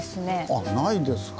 あないですか。